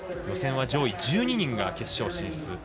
予選は上位１２人が決勝進出。